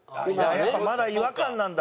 やっぱまだ違和感なんだ。